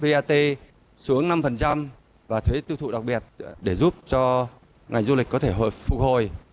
vnh đã giảm thuế vat xuống năm và thuế tiêu thụ đặc biệt để giúp cho ngành du lịch có thể phục hồi